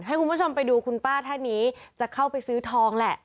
ให้คุณผู้ชมไปดูคุณป้าท่านนี้จะเข้าไปซื้อทองแหละ